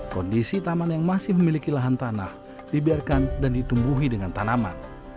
kondisi taman yang masih memiliki lahan tanah dibiarkan dan ditumbuhi dengan tanaman